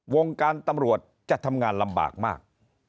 วงการตำรวจจะทำงานลำบากมาก